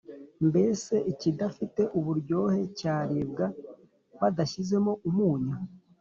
mbese ikidafite uburyohe cyaribwa badashyizemo umunyu’